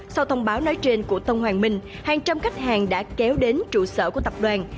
sau thông báo nói trên của tân hoàng minh hàng trăm khách hàng đã kéo đến trụ sở của tập đoàn